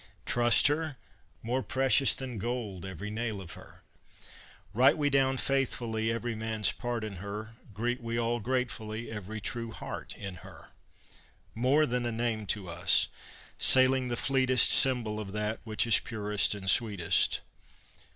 Trust her? more precious than gold every nail of her. Write we down faithfully every man's part in her; Greet we all gratefully every true heart in her. More than a name to us, sailing the fleetest, Symbol of that which is purest and sweetest.